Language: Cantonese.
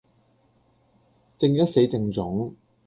正一死剩種